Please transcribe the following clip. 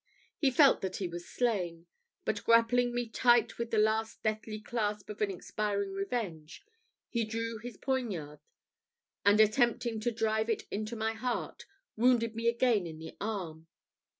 He felt that he was slain; but, grappling me tight with the last deathly clasp of expiring revenge, he drew his poignard, and, attempting to drive it into my heart, wounded me again in the arm.